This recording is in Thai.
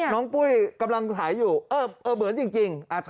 ปุ้ยกำลังถ่ายอยู่เออเหมือนจริง